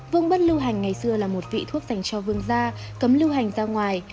vương bất lưu hành ngày xưa là một vị thuốc dành cho vương da cấm lưu hành ra ngoài